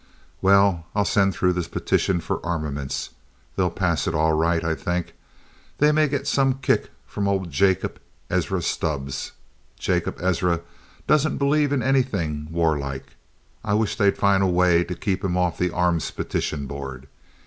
"Well, I'll send through this petition for armaments. They'll pass it all right, I think. They may get some kicks from old Jacob Ezra Stubbs. Jacob Ezra doesn't believe in anything war like. I wish they'd find some way to keep him off of the Arms Petition Board.